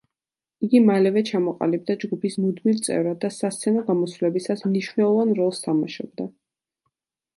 იგი მალევე ჩამოყალიბდა ჯგუფის მუდმივ წევრად და სასცენო გამოსვლებისას მნიშვნელოვან როლს თამაშობდა.